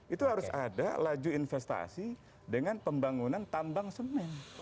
itu harus ada laju investasi dengan pembangunan tambang semen